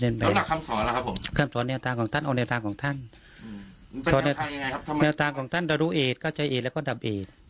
เนื้อตาของท่านดารุเอดก็ใจเอดแล้วก็ดำเอด